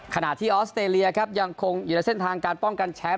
ขณะที่ออสเตรเลียครับยังคงอยู่ในเส้นทางการป้องกันแชมป์